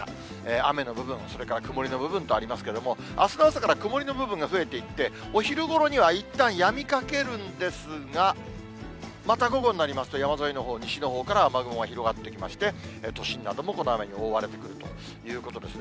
雨の部分、それから曇りの部分とありますけれども、あすの朝から曇りの部分が増えていって、お昼ごろにはいったんやみかけるんですが、また午後になりますと、山沿いのほう、西のほうから雨雲が広がってきまして、都心などもこの雨に覆われてくるということですね。